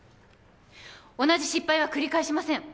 同じ失敗は繰り返しません